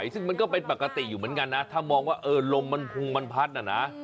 ซึ่งมันก็เป็นปกติอยู่เหมือนกันนะถ้ามองว่าลมมันพัดน่ะนะ